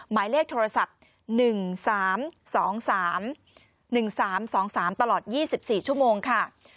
หมายเลขโทรศัพท์๑๓๒๓๑๓๒๓ตลอด๒๔ชั่วโมงค่ะ